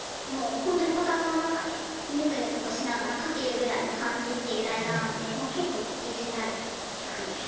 もうほんとにこたつの中でぬくぬくとしながら書けるぐらいの感じっていうライターなので結構ディスられる感じ。